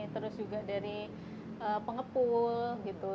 terus juga dari pengepul gitu